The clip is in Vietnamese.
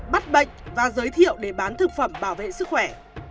bắt bệnh và giới thiệu để bán thực phẩm bảo vệ sức khỏe